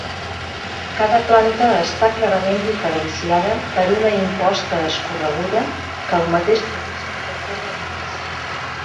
Cada planta està clarament diferenciada per una imposta escorreguda que, al mateix temps, decora l'edifici.